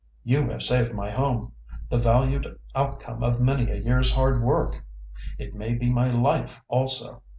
"You have saved my home, the valued outcome of many a year's hard work—it may be my life also.